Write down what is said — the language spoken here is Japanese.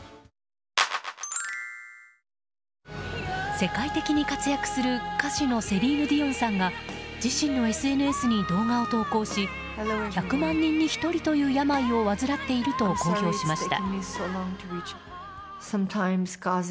世界的に活躍する歌手のセリーヌ・ディオンさんが自身のＳＮＳに動画を投稿し１００万人に１人という病を患っていると公表しました。